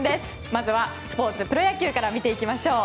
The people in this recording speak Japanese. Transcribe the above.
まずはスポーツプロ野球から見ていきましょう。